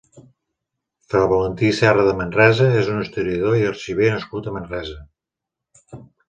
Fra Valentí Serra de Manresa és un historiador i arxiver nascut a Manresa.